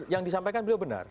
yang disampaikan beliau benar